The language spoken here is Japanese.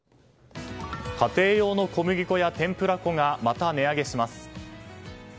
家庭用の小麦粉やてんぷら粉がまた値上げします。